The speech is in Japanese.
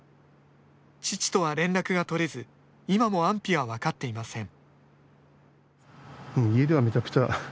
父とは連絡が取れず今も安否は分かっていません。